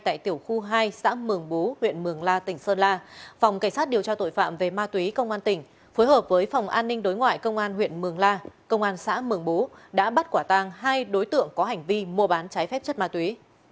tại tiểu khu hai xã mường bú huyện mường la tỉnh sơn la phòng cảnh sát điều tra tội phạm về ma túy công an tỉnh phối hợp với phòng an ninh đối ngoại công an huyện mường la công an xã mường bú đã bắt quả tang hai đối tượng có hành vi mua bán trái phép chất ma túy